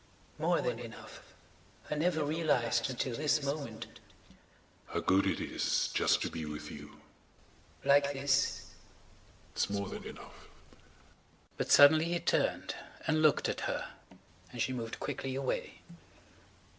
"More than enough. I never realized until this moment ..." "How good it is just to be with you. ..." "Like this. ..." [Page 146] "It's more than enough." But suddenly he turned and looked at her and she moved quickly away.